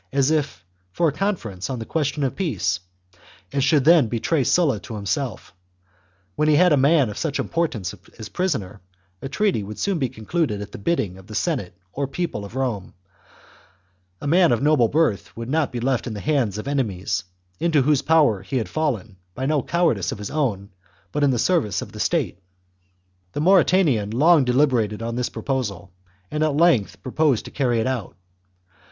245 as if for a conference on the question of peace, and ^"^f" should then betray Sulla to himself: when he had a man of such importance as a prisoner, a treaty would soon be concluded at the bidding of [the Senate or] people [of Rome] ; a man of noble birth would not be left in the hands of enemies, into whose power he had fallen, by no cowardice of his own, but in the service of the state. The Mauritanian long deliberated on this proposal, chap. and at length promised to carry it out.